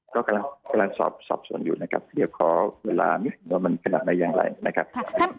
ก็กำลังสอบสอบสวนอยู่นะครับเดี๋ยวขอเวลานิดว่ามันขนาดไหนอย่างไรนะครับ